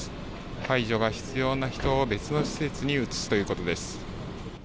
介助が必要な人を別の施設に移すということです。